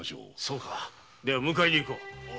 そうかでは迎えに行こう。